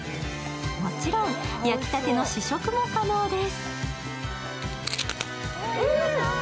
もちろん、焼きたての試食も可能です。